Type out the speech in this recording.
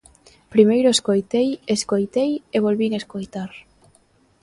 Primeiro escoitei, escoitei e volvín escoitar.